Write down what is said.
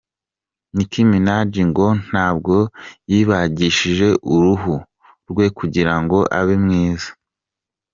Nicki Minaj ngo ntabwo yibagishije uruhu rwe kugira ngo abe mwiza.